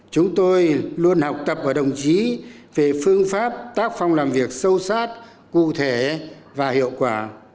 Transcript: chúng tôi luôn học tập ở đồng chí về phương pháp tác phong làm việc sâu sát cụ thể và hiệu quả